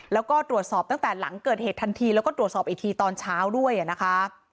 แล้วก็ตรวจสอบตั้งแต่หลังเกิดเหตุทันทีแล้วก็ตรวจสอบอีกทีตอนเช้าด้วยนะคะ